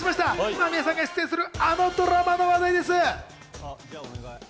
間宮さんが出演するあのドラマの話題です。